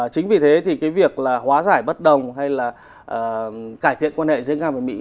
chính vì thế thì cái việc là hóa giải bất đồng hay là cải thiện quan hệ giữa nga và mỹ